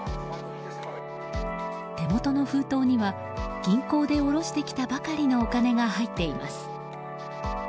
手元の封筒には銀行で下ろしたばかりのお金が入っています。